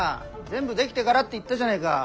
全部出来てからって言ったじゃねえか。